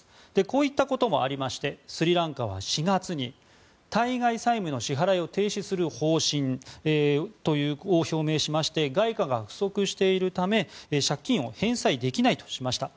こういったこともありましてスリランカは４月に対外債務の支払いを停止する方針を表明しまして外貨が不足しているため借金を返済できないとしました。